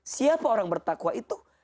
siapa orang bertakwa itu